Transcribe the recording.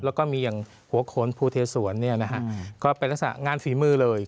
แล้วก็มีอย่างหัวโขนภูเทศวรก็เป็นลักษณะงานฝีมือเลย